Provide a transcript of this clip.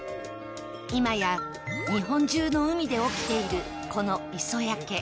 今や日本中の海で起きているこの磯焼け。